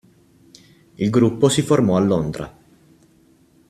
Il gruppo si formò a Londra.